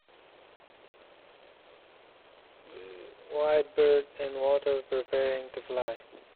White bird in water preparing to fly.